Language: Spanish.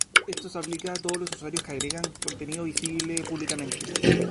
Esto se aplica a todos los usuarios que agregan contenido visible públicamente.